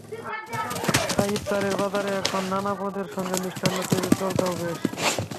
তাই ইফতারের বাজারে এখন নানা পদের সঙ্গে মিষ্টান্ন তৈরির চলটাও বেশ।